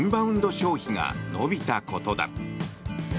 消費が伸びたことだ。